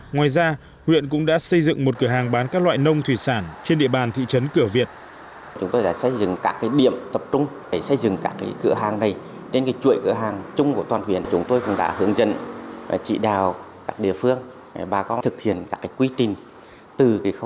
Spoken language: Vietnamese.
ngoài ra huyện cũng đã xây dựng một cửa hàng bán các loại nông thủy sản trên địa bàn thị trấn cửa việt